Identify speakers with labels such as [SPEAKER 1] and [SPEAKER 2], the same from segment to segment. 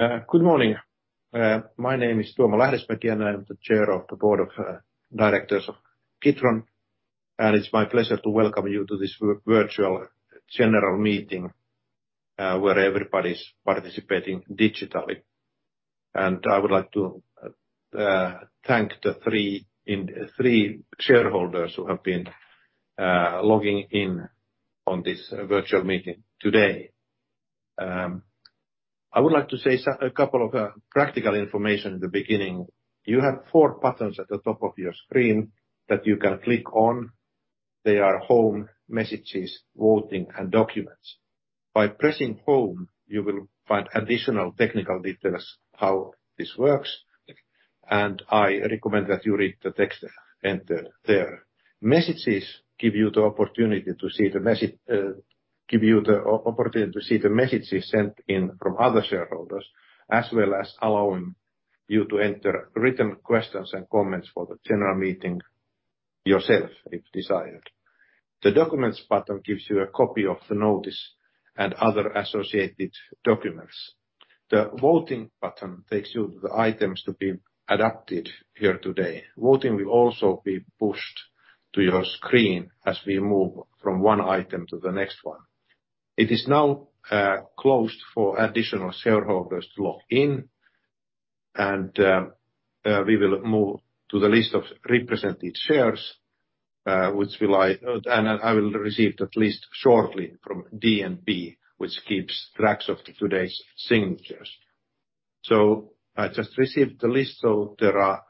[SPEAKER 1] Good morning. My name is Tuomo Lähdesmäki, I'm the Chair of the Board of Directors of Kitron. It's my pleasure to welcome you to this virtual general meeting, where everybody's participating digitally. I would like to thank the three shareholders who have been logging in on this virtual meeting today. I would like to say a couple of practical information in the beginning. You have four buttons at the top of your screen that you can click on. They are Home, Messages, Voting, and Documents. By pressing Home, you will find additional technical details how this works, and I recommend that you read the text entered there. Messages give you the opportunity to see the messages sent in from other shareholders, as well as allowing you to enter written questions and comments for the general meeting yourself, if desired. The Documents button gives you a copy of the notice and other associated documents. The Voting button takes you to the items to be adopted here today. Voting will also be pushed to your screen as we move from one item to the next one. It is now closed for additional shareholders to log in, and we will move to the list of represented shares, and I will receive that list shortly from DNV, which keeps tracks of today's signatures. I just received the list. There are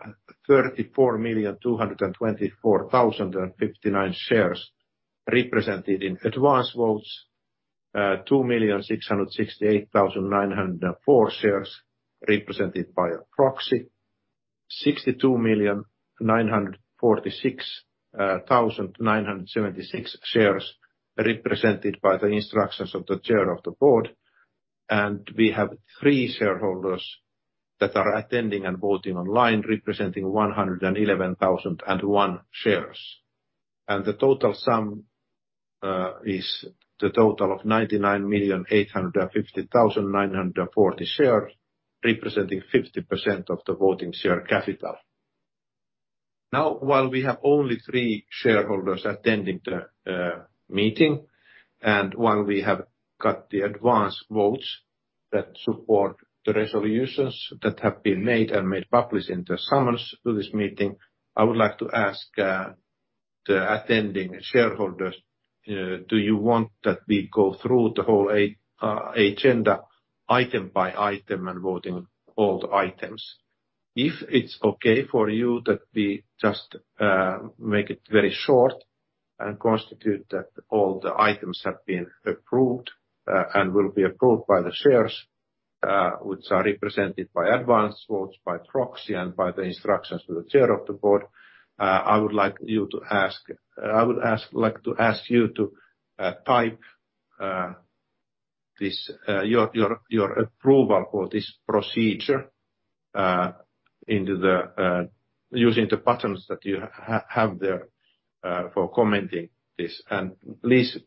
[SPEAKER 1] 34,224,059 shares represented in advance votes, 2,668,904 shares represented by a proxy, 62,946,976 shares represented by the instructions of the chair of the board, and we have three shareholders that are attending and voting online, representing 111,001 shares. The total sum is the total of 99,850,940 shares, representing 50% of the voting share capital. While we have only 3 shareholders attending the meeting, and while we have got the advance votes that support the resolutions that have been made and made public in the summons to this meeting, I would like to ask the attending shareholders, do you want that we go through the whole agenda item by item and voting all the items? If it's okay for you that we just make it very short and constitute that all the items have been approved, and will be approved by the shares, which are represented by advance votes, by proxy, and by the instructions to the Chair of the Board, I would like to ask you to type your approval for this procedure into the using the buttons that you have there for commenting this. Please,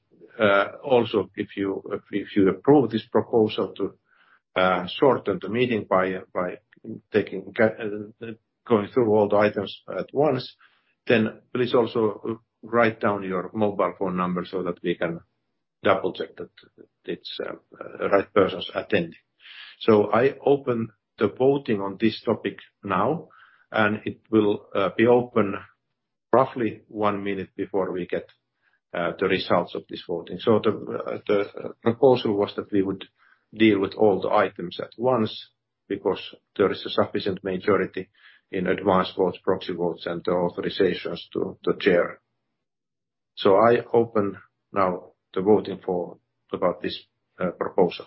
[SPEAKER 1] also, if you, if you approve this proposal to shorten the meeting by going through all the items at once, then please also write down your mobile phone number so that we can double-check that it's the right persons attending. I open the voting on this topic now, and it will be open roughly one minute before we get the results of this voting. The proposal was that we would deal with all the items at once because there is a sufficient majority in advance votes, proxy votes, and the authorizations to the chair. I open now the voting about this proposal.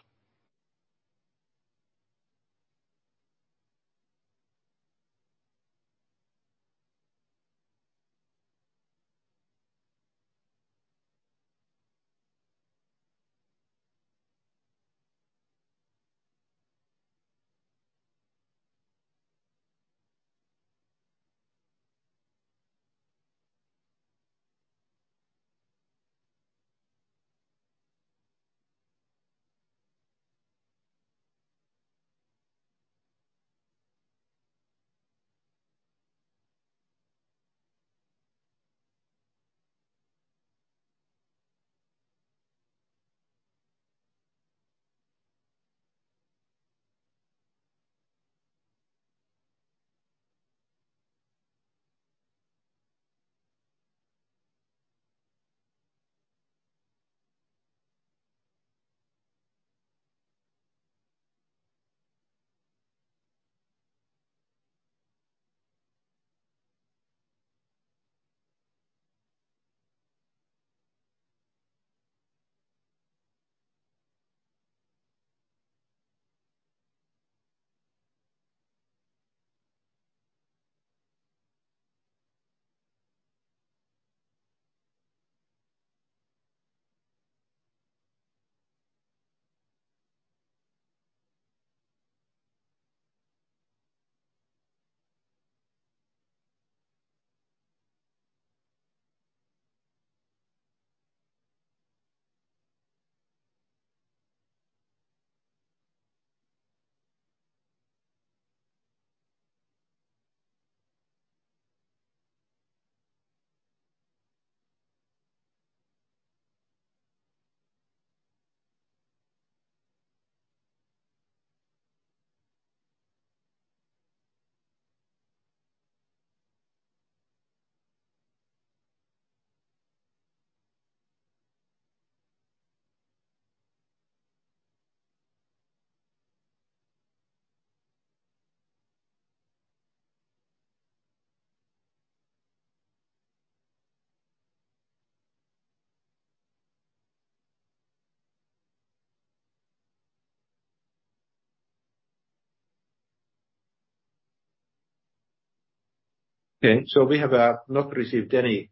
[SPEAKER 1] We have not received any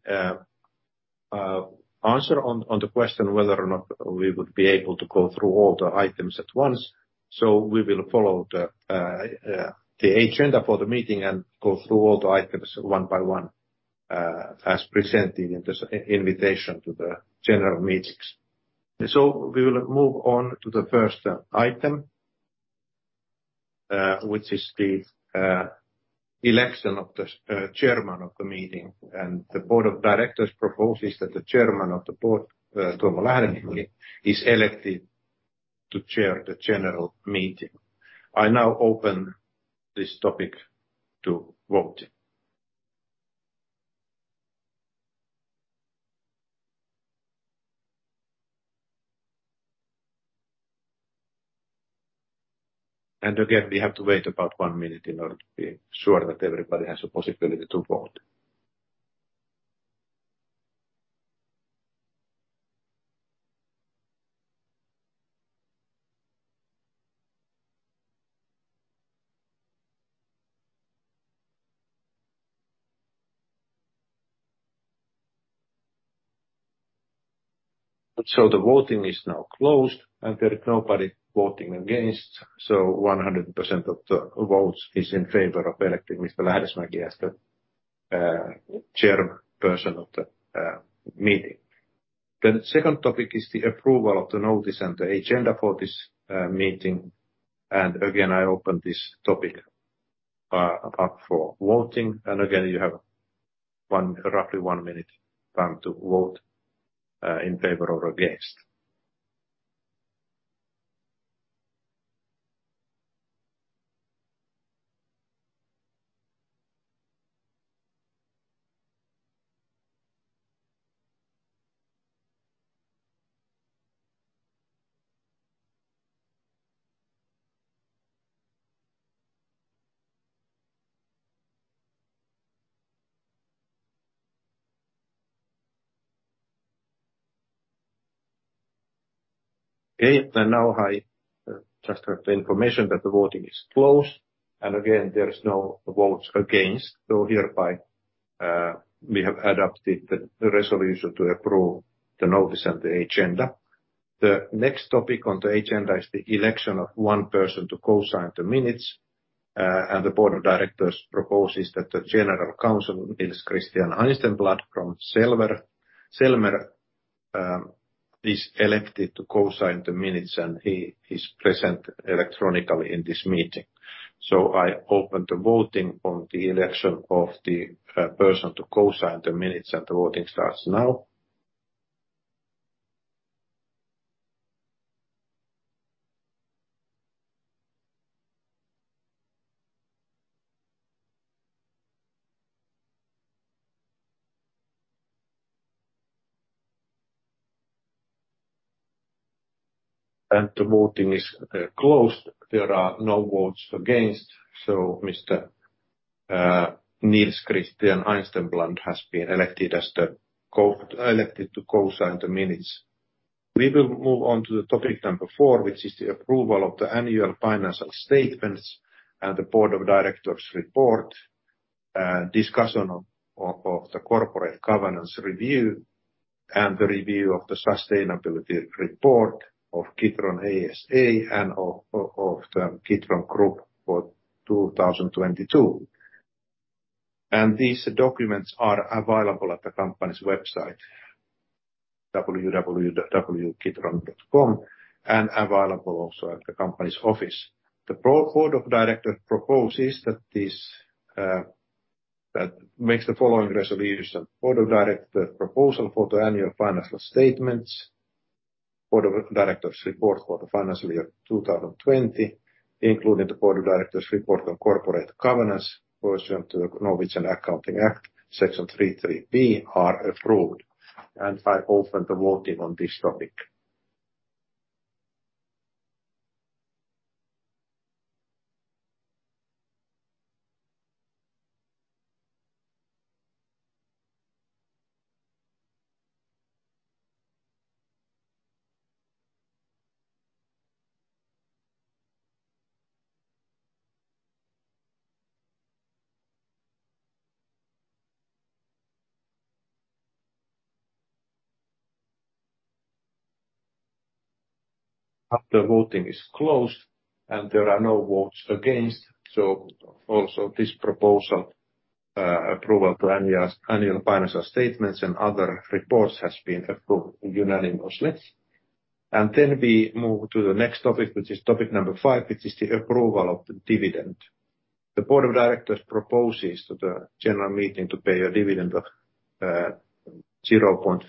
[SPEAKER 1] answer on the question whether or not we would be able to go through all the items at once. We will follow the agenda for the meeting and go through all the items one by one as presented in this invitation to the general meetings. We will move on to the first item, which is the election of the chairman of the meeting, and the board of directors proposes that the chairman of the board, Tuomo Lähdeniemi, is elected to chair the general meeting. I now open this topic to voting. Again, we have to wait about 1 minute in order to be sure that everybody has a possibility to vote. The voting is now closed, and there is nobody voting against, so 100% of the votes is in favor of electing Mr. Lähdeniemi as the chairperson of the meeting. The second topic is the approval of the notice and the agenda for this meeting, and again, I open this topic up for voting. Again, you have roughly 1 minute time to vote in favor or against. Okay. Now I just have the information that the voting is closed, and again, there is no votes against. Hereby we have adopted the resolution to approve the notice and the agenda. The next topic on the agenda is the election of one person to co-sign the minutes, and the Board of Directors proposes that the General Counsel, Nils Christian Eide-Midtsand from Selmer, is elected to co-sign the minutes, and he is present electronically in this meeting. I open the voting on the election of the person to co-sign the minutes, and the voting starts now. The voting is closed. There are no votes against, so Mr. Nils Christian Eide-Midtsand has been elected to co-sign the minutes. We will move on to the topic number 4, which is the approval of the annual financial statements and the board of directors' report, discussion of the corporate governance review, and the review of the sustainability report of Kitron ASA and of the Kitron Group for 2022. These documents are available at the company's website, www.kitron.com, and available also at the company's office. The pro-board of directors proposes that makes the following resolution: Board of directors' proposal for the annual financial statements. Board of directors' report for the financial year 2020, including the board of directors' report on corporate governance pursuant to the Norwegian Accounting Act, Section 3-3 are approved. I open the voting on this topic. After voting is closed, and there are no votes against. Also this proposal, approval to annual financial statements and other reports has been approved unanimously. We move to the next topic, which is topic number 5, which is the approval of the dividend. The board of directors proposes to the general meeting to pay a dividend of 0.50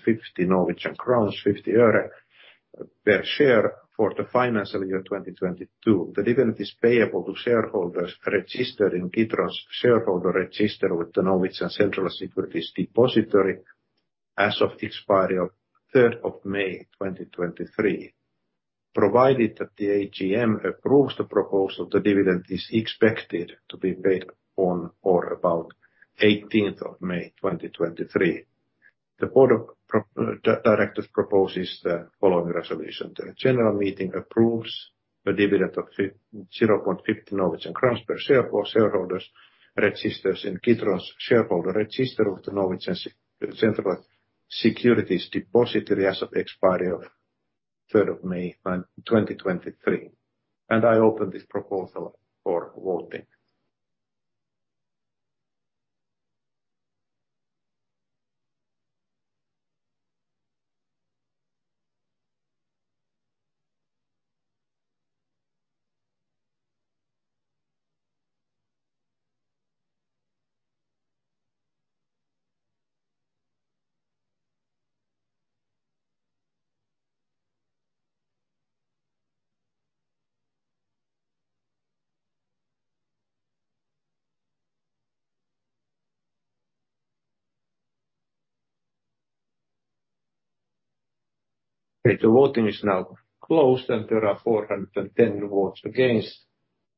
[SPEAKER 1] Norwegian crowns, 50 euro per share for the financial year 2022. The dividend is payable to shareholders registered in Kitron's shareholder register with the Norwegian Central Securities Depository as of expiry of 3rd of May 2023. Provided that the AGM approves the proposal, the dividend is expected to be paid on or about 18th of May 2023. The board of directors proposes the following resolution. The general meeting approves a dividend of 0.50 crowns per share for shareholders registered in Kitron's shareholder register with the Norwegian Central Securities Depository as of expiry of 3rd of May 2023. I open this proposal for voting. The voting is now closed, and there are 410 votes against,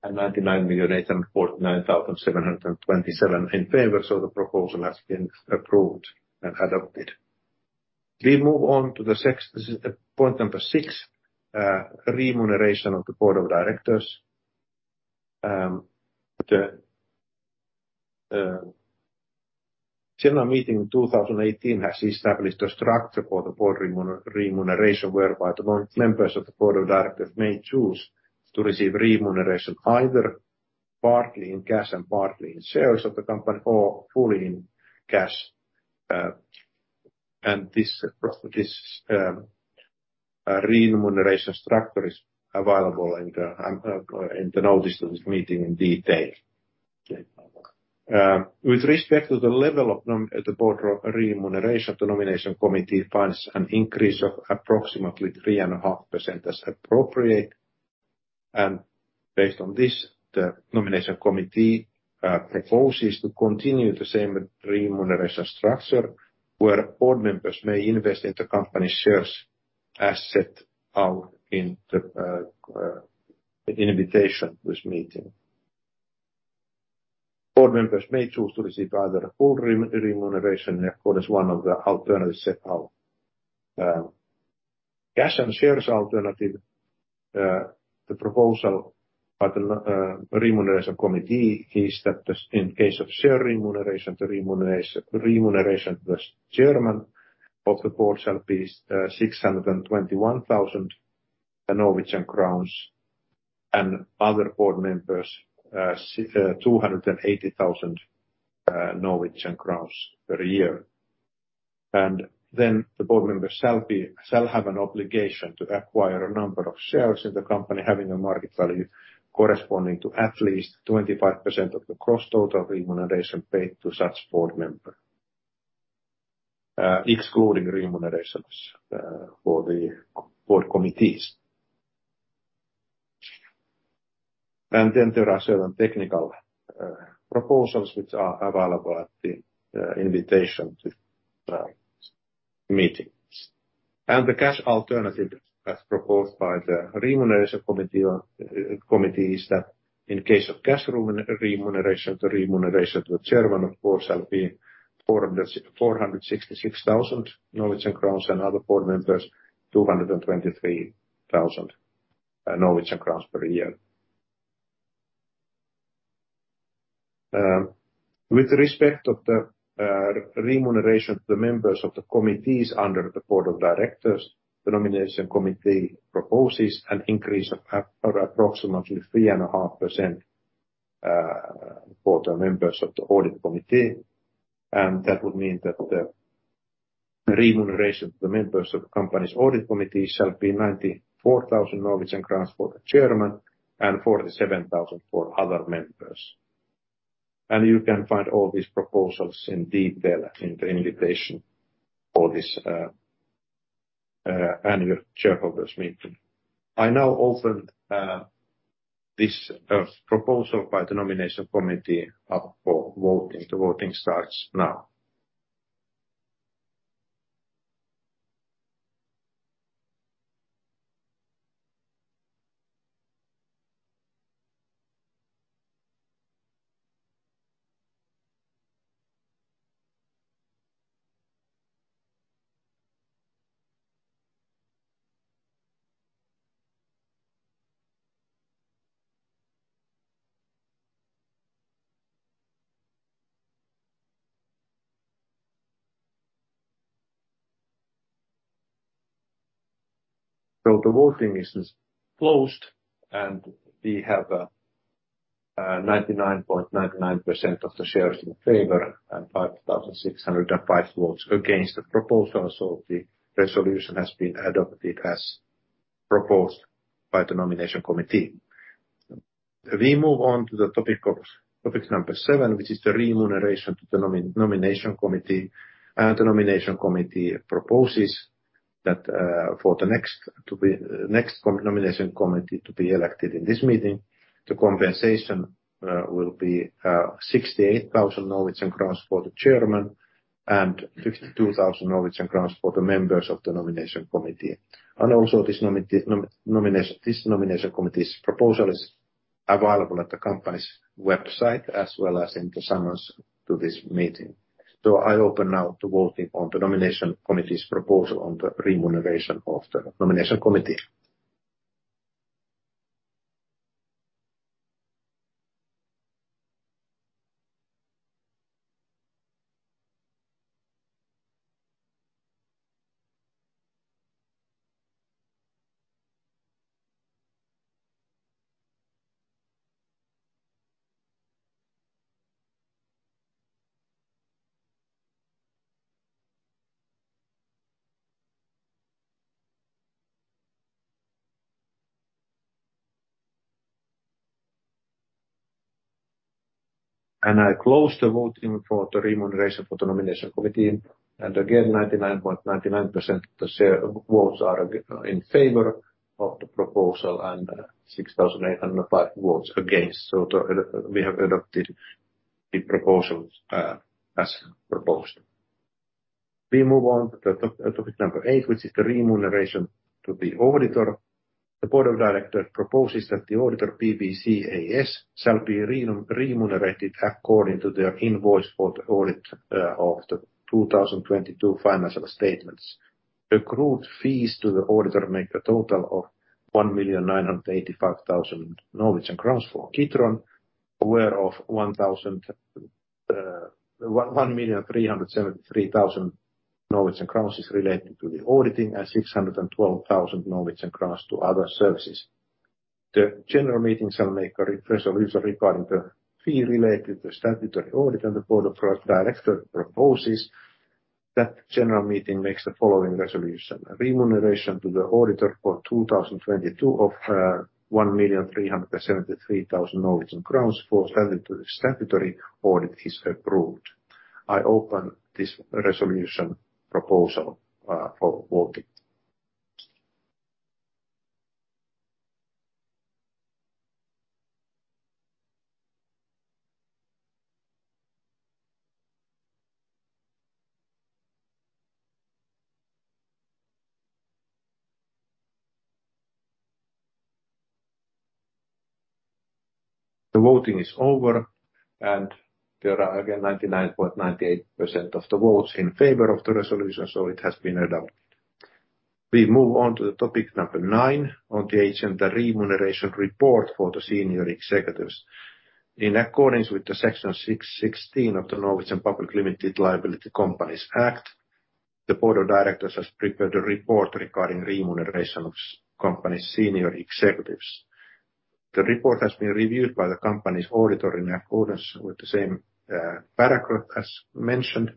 [SPEAKER 1] and 99,849,727 in favor. The proposal has been approved and adopted. We move on to the sixth. This is point number 6, remuneration of the board of directors. The general meeting in 2018 has established a structure for the board remuneration, whereby the board members of the board of directors may choose to receive remuneration either partly in cash and partly in shares of the company or fully in cash. This remuneration structure is available in the notice of this meeting in detail. With respect to the level of the board remuneration, the nomination committee finds an increase of approximately 3.5% as appropriate. Based on this, the nomination committee proposes to continue the same remuneration structure where board members may invest in the company shares as set out in the invitation to this meeting. Board members may choose to receive either full remuneration accord as one of the alternatives set out. Cash and shares alternative, the proposal by the remuneration committee is that in case of share remuneration, the remuneration plus chairman of the board shall be 621,000 Norwegian crowns and other board members, 280,000 Norwegian crowns per year. The board members shall be, shall have an obligation to acquire a number of shares in the company having a market value corresponding to at least 25% of the gross total remuneration paid to such board member, excluding remunerations for the board committees. There are certain technical proposals which are available at the invitation to meetings. The cash alternative, as proposed by the remuneration committee or committee, is that in case of cash remuneration, the remuneration to the chairman, of course, shall be 466,000 Norwegian crowns and other board members, 223,000 Norwegian crowns per year. With respect of the remuneration to the members of the committees under the Board of Directors, the Nomination Committee proposes an increase of approximately 3.5% for the members of the Audit Committee, and that would mean that the remuneration to the members of the company's Audit Committee shall be 94,000 for the chairman and 47,000 for other members. You can find all these proposals in detail in the invitation for this annual shareholders meeting. I now open this proposal by the nomination committee up for voting. The voting starts now. The voting is closed, and we have 99.99% of the shares in favor and 5,605 votes against the proposal. The resolution has been adopted as proposed by the nomination committee. We move on to topic number 7, which is the remuneration to the nomination committee. The nomination committee proposes that for the next nomination committee to be elected in this meeting, the compensation will be 68,000 Norwegian crowns for the chairman and 52,000 Norwegian crowns for the members of the nomination committee. Also this nomination committee's proposal is available at the company's website as well as in the summons to this meeting. I open now the voting on the Nomination Committee's proposal on the remuneration of the Nomination Committee. I close the voting for the remuneration for the Nomination Committee. Again, 99.99% of the share votes are in favor of the proposal and 6,805 votes against. The, we have adopted the proposals as proposed. We move on to topic number 8, which is the remuneration to the auditor. The Board of Directors proposes that the auditor, PwC AS, shall be remunerated according to their invoice for the audit of the 2022 financial statements. Accrued fees to the auditor make a total of 1,985,000 Norwegian crowns for Kitron, aware of 1,000, 1,373,000 Norwegian crowns is related to the auditing and 612,000 Norwegian crowns to other services. The general meeting shall make a resolution regarding the fee related to statutory audit. The board of trust directors proposes that general meeting makes the following resolution: A remuneration to the auditor for 2022 of 1,373,000 Norwegian crowns for statutory audit is approved. I open this resolution proposal for voting. The voting is over. There are again 99.98% of the votes in favor of the resolution. It has been adopted. We move on to the topic number nine on the agenda, remuneration report for the senior executives. In accordance with the Section 6-16 of the Norwegian Public Limited Liability Companies Act, the board of directors has prepared a report regarding remuneration of company's senior executives. The report has been reviewed by the company's auditor in accordance with the same paragraph as mentioned,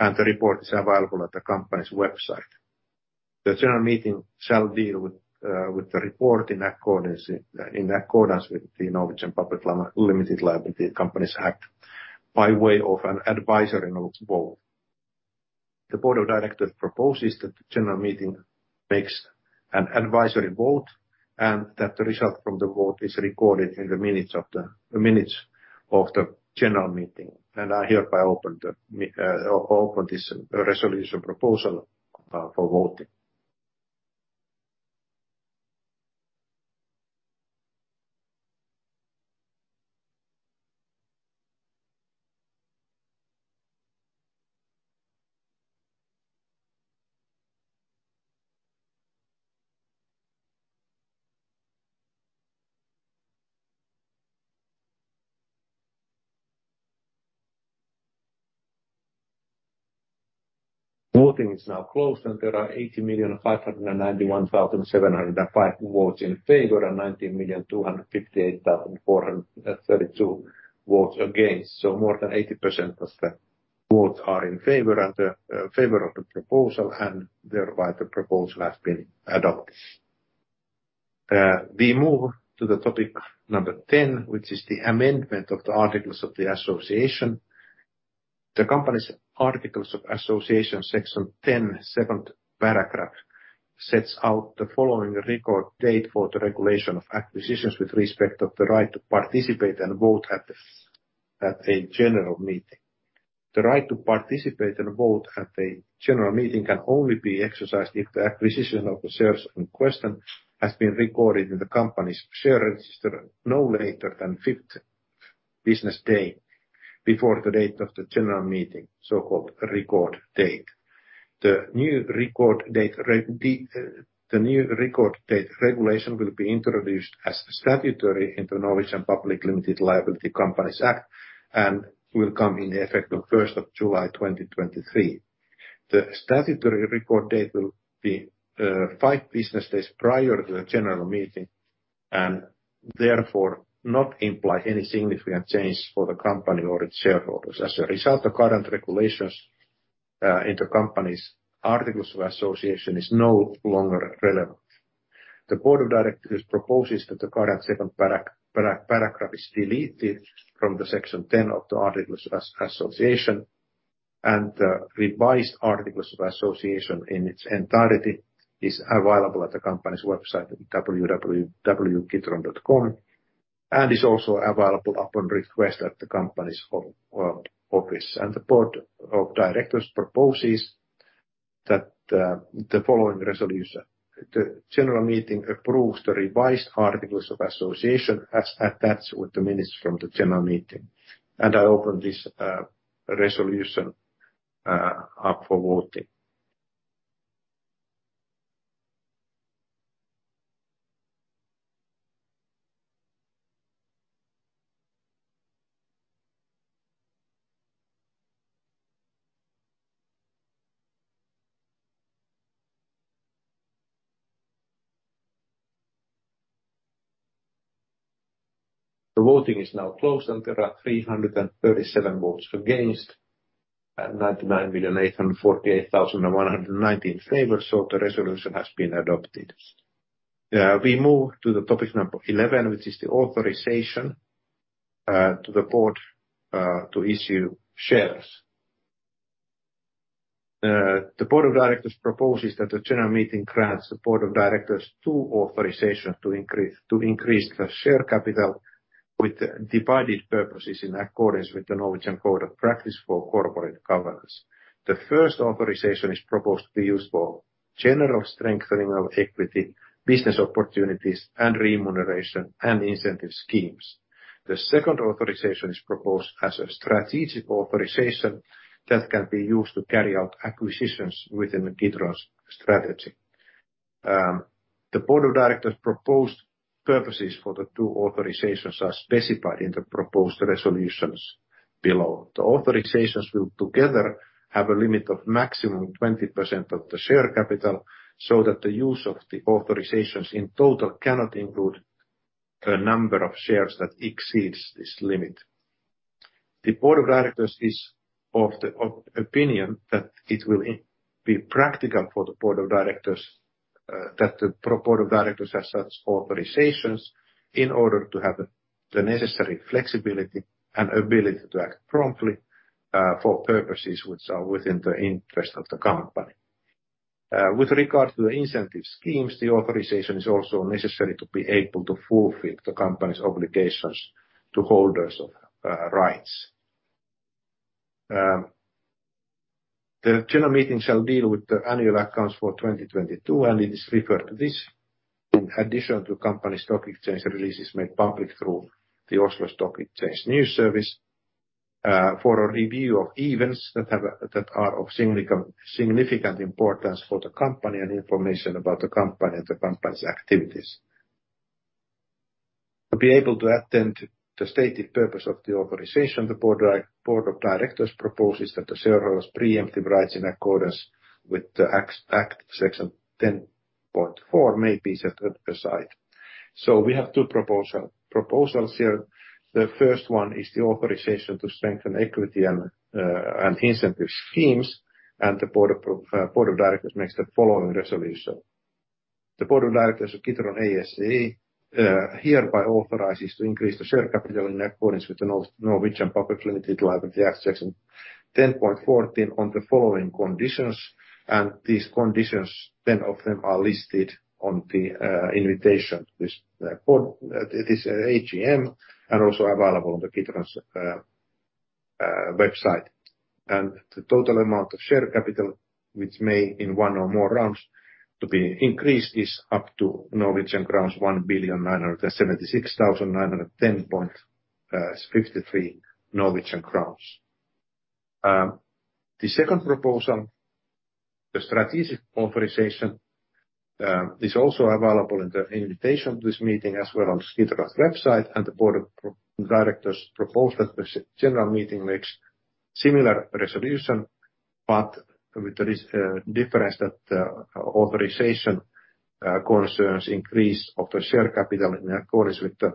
[SPEAKER 1] and the report is available at the company's website. The general meeting shall deal with the report in accordance in accordance with the Norwegian Public Limited Liability Companies Act, by way of an advisory notes vote. The board of directors proposes that the general meeting makes an advisory vote, and that the result from the vote is recorded in the minutes of the general meeting. I hereby open this resolution proposal for voting. Voting is now closed, and there are 80,591,705 votes in favor and 19,258,032 votes against. More than 80% of the votes are in favor, and favor of the proposal, and thereby the proposal has been adopted. We move to the topic number 10, which is the amendment of the articles of the association. The company's articles of association, Section 10, 7th paragraph, sets out the following record date for the regulation of acquisitions with respect of the right to participate and vote at a general meeting. The right to participate and vote at a general meeting can only be exercised if the acquisition of the shares in question has been recorded in the company's share register no later than 5th business day before the date of the general meeting, so-called record date. The new record date regulation will be introduced as statutory into Norwegian Public Limited Liability Companies Act and will come in effect on July 1, 2023. The statutory report date will be 5 business days prior to the general meeting and therefore not imply any significant change for the company or its shareholders. As a result, the current regulations in the company's articles of association is no longer relevant. The board of directors proposes that the current second paragraph is deleted from the Section 10 of the articles of association, revised articles of association in its entirety is available at the company's website at www.kitron.com, and is also available upon request at the company's office. The board of directors proposes that the following resolution, the general meeting approves the revised articles of association as attached with the minutes from the general meeting. I open this resolution up for voting. The voting is now closed, and there are 337 votes against and 99,848,190 in favor. The resolution has been adopted. We move to the topic number 11, which is the authorization to the board to issue shares. The board of directors proposes that the general meeting grants the board of directors 2 authorizations to increase the share capital with divided purposes in accordance with the Norwegian Code of Practice for Corporate Governance. The first authorization is proposed to be used for general strengthening of equity, business opportunities, and remuneration and incentive schemes. The second authorization is proposed as a strategic authorization that can be used to carry out acquisitions within Kitron's strategy. The board of directors' proposed purposes for the 2 authorizations are specified in the proposed resolutions below. The authorizations will together have a limit of maximum 20% of the share capital, so that the use of the authorizations in total cannot include a number of shares that exceeds this limit. The board of directors is of the opinion that it will be practical for the board of directors, that the board of directors has such authorizations in order to have the necessary flexibility and ability to act promptly, for purposes which are within the interest of the company. With regard to the incentive schemes, the authorization is also necessary to be able to fulfill the company's obligations to holders of rights. The general meeting shall deal with the annual accounts for 2022, and it is referred to this in addition to company stock exchange releases made public through the Oslo Stock Exchange News Service, for a review of events that are of significant importance for the company and information about the company and the company's activities. To be able to attend to the stated purpose of the authorization, the board of directors proposes that the shareholders' preemptive rights in accordance with the act, Section 10-4 may be set aside. We have two proposals here. The first one is the authorization to strengthen equity and incentive schemes, and the board of directors makes the following resolution. The board of directors of Kitron ASA hereby authorizes to increase the share capital in accordance with the Norwegian Public Limited Liability Act Section 10-14 on the following conditions, and these conditions, 10 of them, are listed on the invitation to this AGM, and also available on the Kitron's website. The total amount of share capital, which may in one or more rounds to be increased, is up to 1,000,976,910.53 Norwegian crowns. The second proposal, the strategic authorization, is also available in the invitation to this meeting, as well as Kitron's website, the board of directors propose that the general meeting makes similar resolution, but with this difference that authorization concerns increase of the share capital in accordance with the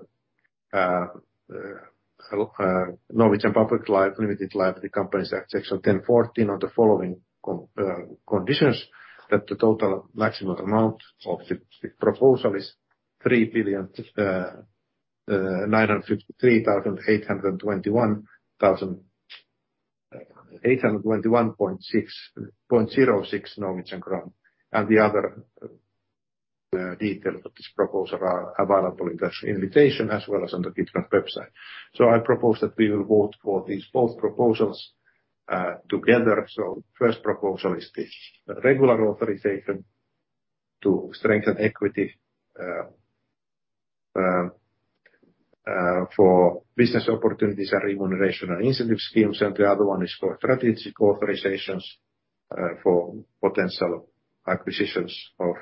[SPEAKER 1] Norwegian Public Limited Liability Companies Act, Section 10-14 on the following conditions that the total maximum amount of the proposal is NOK 3,953,821,821.66. The other detail of this proposal are available in the invitation as well as on the Kitron website. I propose that we will vote for these both proposals together. First proposal is the regular authorization to strengthen equity for business opportunities and remuneration and incentive schemes, and the other one is for strategic authorizations for potential acquisitions of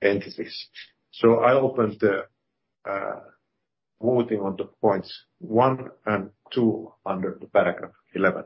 [SPEAKER 1] entities. I open the voting on the points 1 and 2 under the paragraph 11.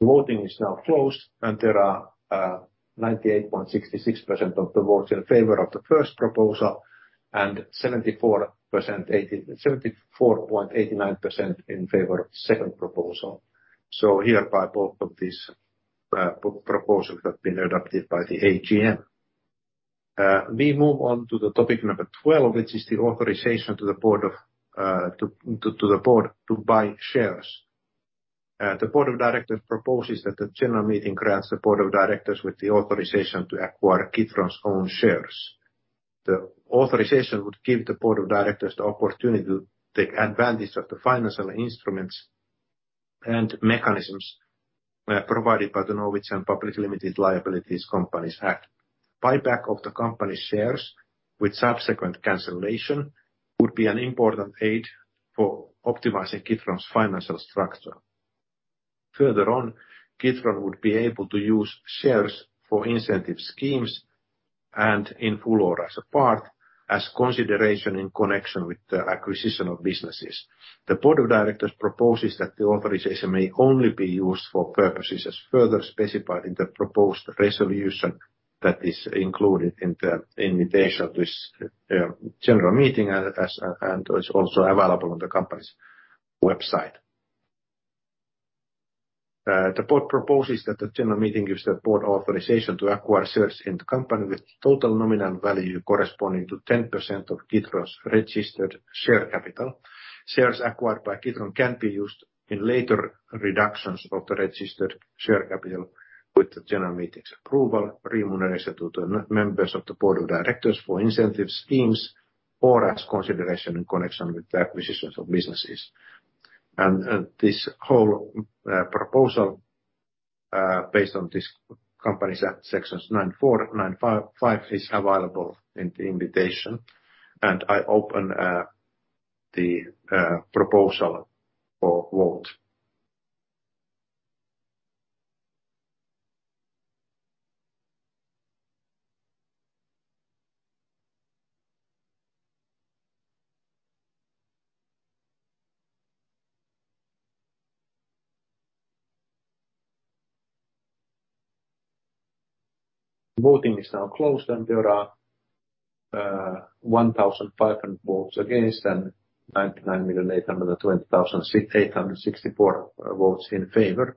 [SPEAKER 1] The voting is now closed, there are 98.66% of the votes in favor of the first proposal and 74.89% in favor of the second proposal. Hereby both of these proposals have been adopted by the AGM. We move on to the topic number 12, which is the authorization to the board to buy shares. The board of directors proposes that the general meeting grants the board of directors with the authorization to acquire Kitron's own shares. The authorization would give the board of directors the opportunity to take advantage of the financial instruments and mechanisms provided by the Norwegian Public Limited Liability Companies Act. Buyback of the company's shares with subsequent cancellation would be an important aid for optimizing Kitron's financial structure. Further on, Kitron would be able to use shares for incentive schemes and in full or as a part as consideration in connection with the acquisition of businesses. The board of directors proposes that the authorization may only be used for purposes as further specified in the proposed resolution that is included in the invitation to this general meeting as and is also available on the company's website. The board proposes that the general meeting gives the board authorization to acquire shares in the company with total nominal value corresponding to 10% of Kitron's registered share capital. Shares acquired by Kitron can be used in later reductions of the registered share capital with the general meeting's approval, remuneration to the members of the board of directors for incentive schemes or as consideration in connection with the acquisitions of businesses. This whole proposal, based on this company's sections 9-4, 9-5, 5 is available in the invitation, and I open the proposal for vote. Voting is now closed. There are 1,500 votes against and 99,820,864 votes in favor.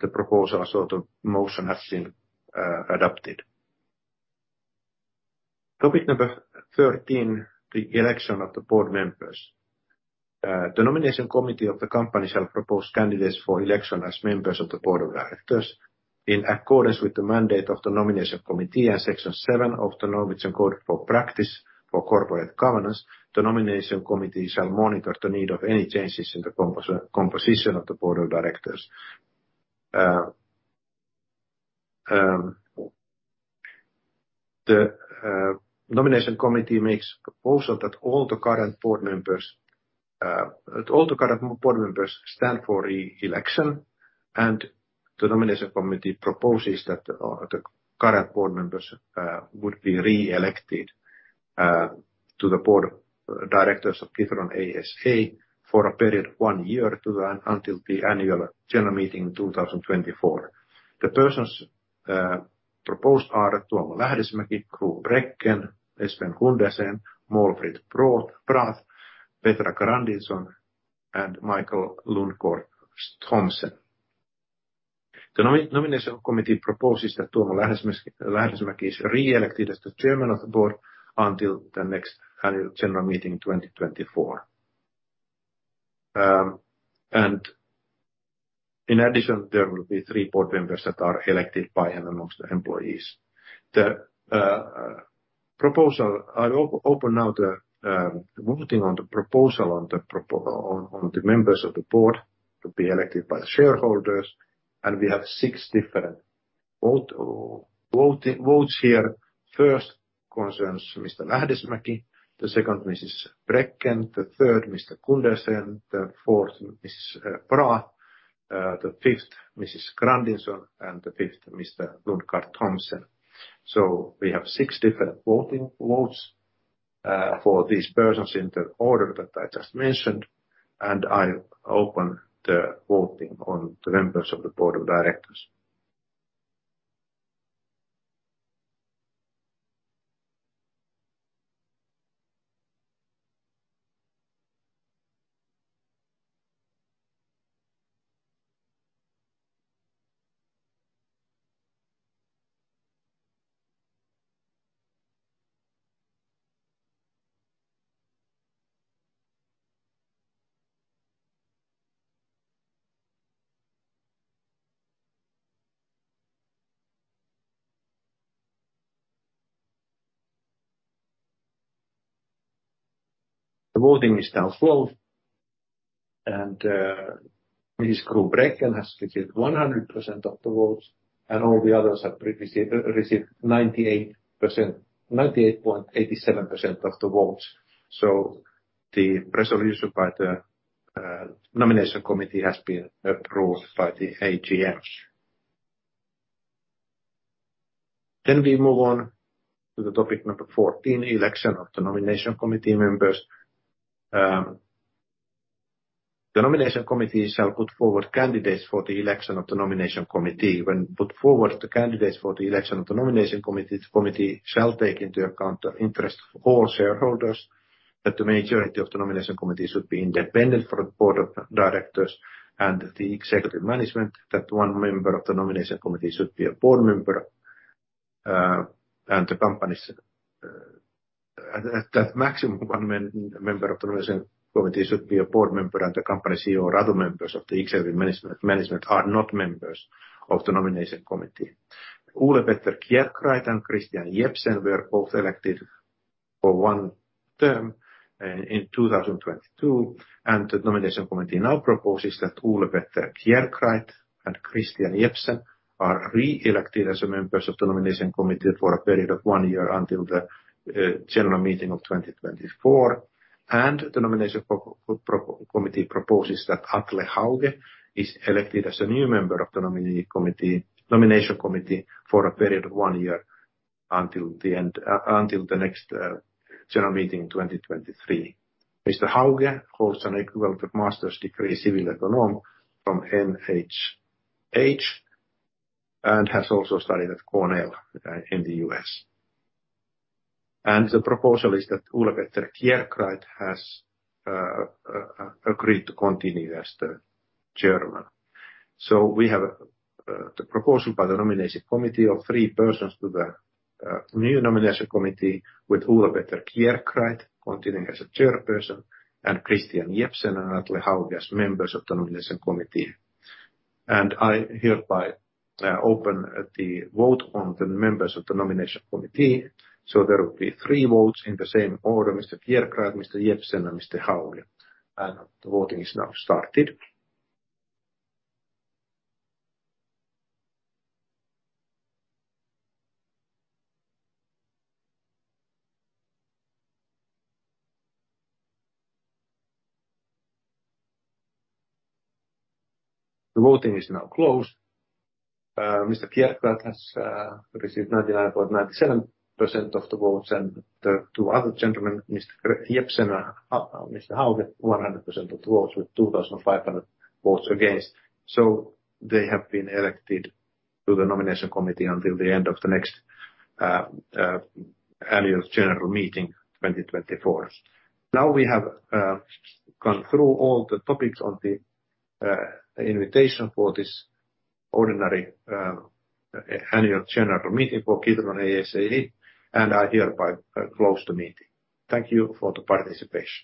[SPEAKER 1] The proposal or the motion has been adopted. Topic number 13, the election of the board members. The Nomination Committee of the company shall propose candidates for election as members of the Board of Directors in accordance with the mandate of the Nomination Committee and Section 7 of the Norwegian Code of Practice for Corporate Governance. The Nomination Committee shall monitor the need of any changes in the composition of the Board of Directors. The nomination committee makes proposal that all the current board members stand for re-election, and the nomination committee proposes that the current board members would be re-elected to the board directors of Kitron ASA for a period one year to run until the annual general meeting in 2024. The persons proposed are Tuomo Lähdesmäki, Gro Brækken, Espen Gundersen, Maalfrid Brath, Petra Grandinson, and Michael Lundgaard Thomsen. The nomination committee proposes that Tuomo Lähdesmäki is re-elected as the chairman of the board until the next annual general meeting in 2024. In addition, there will be three board members that are elected by and amongst the employees. The proposal, I open now the voting on the proposal on the members of the Board to be elected by the shareholders. We have six different votes here. First concerns Mr. Lähdesmäki, the second Mrs. Brækken, the third Mr. Gundersen, the fourth Ms. Brath, the fifth Mrs. Grandinson, and the fifth Mr. Lundgaard Thomsen. We have six different voting votes for these persons in the order that I just mentioned. I open the voting on the members of the Board of Directors. The voting is now closed. Ms. Kruub Brækken has received 100% of the votes. All the others have received 98%, 98.87% of the votes. The resolution by the Nomination Committee has been approved by the AGMs. We move on to topic number 14, election of the nomination committee members. The nomination committee shall put forward candidates for the election of the nomination committee. When put forward the candidates for the election of the nomination committee, the committee shall take into account the interest of all shareholders that the majority of the nomination committee should be independent from the board of directors and the executive management. That one member of the nomination committee should be a board member, and the company's, at that maximum one member of the nomination committee should be a board member and the company CEO or other members of the executive management are not members of the nomination committee. Ole Petter Kjerkreit and Christian Jebsen were both elected for one term in 2022. The Nomination Committee now proposes that Ole Petter Kjerkreit and Christian Jebsen are re-elected as members of the Nomination Committee for a period of one year until the General Meeting of 2024. The Nomination Committee proposes that Atle Hauge is elected as a new member of the Nomination Committee for a period of one year until the next General Meeting in 2023. Mr. Hauge holds an equivalent of Master's degree Siviløkonom from NHH, and has also studied at Cornell in the U.S. The proposal is that Ole Petter Kjerkreit has agreed to continue as the Chairman. We have the proposal by the Nomination Committee of 3 persons to the new Nomination Committee with Ole Petter Kjerkreit continuing as a chairperson, Christian Jebsen and Atle Hauge as members of the Nomination Committee. I hereby open the vote on the members of the Nomination Committee. There will be 3 votes in the same order. Mr. Kjerkreit, Mr. Jebsen and Mr. Hauge. The voting is now started. The voting is now closed. Mr. Kjerkreit has received 99.97% of the votes, and the two other gentlemen, Mr. Jebsen and Mr. Hauge, 100% of the votes, with 2,500 votes against. They have been elected to the Nomination Committee until the end of the next annual general meeting, 2024. Now we have gone through all the topics on the invitation for this ordinary annual general meeting for Kitron ASA, and I hereby close the meeting. Thank you for the participation.